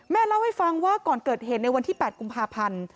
เล่าให้ฟังว่าก่อนเกิดเหตุในวันที่๘กุมภาพันธ์